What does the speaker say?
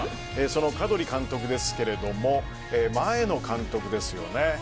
そのカドリ監督ですが前の監督ですよね。